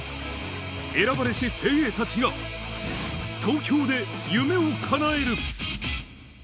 選ばれし精鋭たちが、東京で夢をかなえる。